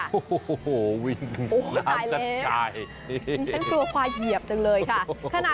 โอ้โฮวิ่งล้ามชัดชายโอ้โฮตายแล้วทั้งตัวควายเหยียบจังเลยค่ะ